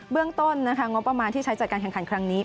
เรื่องต้นงบประมาณที่ใช้จัดการแข่งขันครั้งนี้